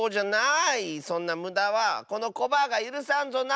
そんなむだはこのコバアがゆるさんぞな！